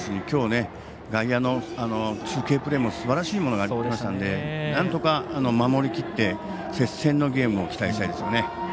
きょう、外野の中継プレーもすばらしいものがありましたのでなんとか守りきって接戦のゲームを期待したいですね。